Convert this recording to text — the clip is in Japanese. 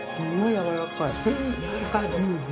やわらかいです。